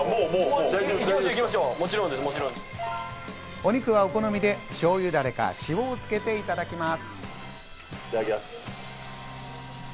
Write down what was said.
お肉はお好みでしょうゆダレか塩をつけていただきます。